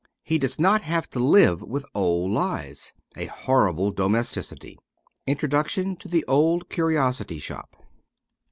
He does not have to live with old lies ; a horrible domesticity. Introduction to ' The Old Curiosity Shop.'